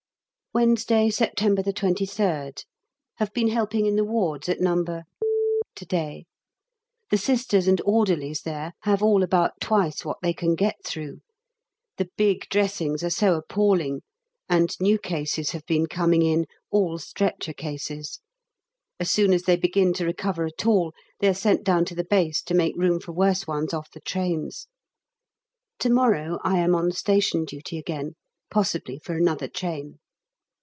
Wednesday, September 23rd. Have been helping in the wards at No. to day. The Sisters and orderlies there have all about twice what they can get through the big dressings are so appalling and new cases have been coming in all stretcher cases. As soon as they begin to recover at all they are sent down to the base to make room for worse ones off the trains. To morrow I am on station duty again possibly for another train.